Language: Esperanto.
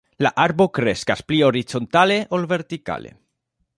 La arbo kreskas pli horizontale ol vertikale.